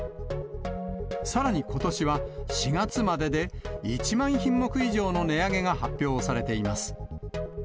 さらにことしは、４月までで１万品目以上の値上げが発表されています。